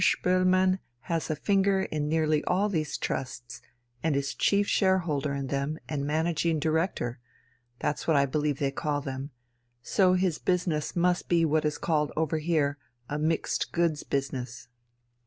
Spoelmann has a finger in nearly all these trusts, and is chief shareholder in them, and managing director that's what I believe they call them so his business must be what is called over here a 'Mixed Goods Business.'"